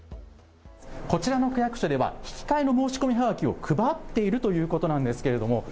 こちらの役所では引き換えの申し込みはがきを配っているということなんですけれども。